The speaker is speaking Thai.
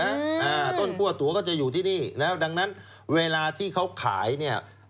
อ่าต้นคั่วตัวก็จะอยู่ที่นี่แล้วดังนั้นเวลาที่เขาขายเนี่ย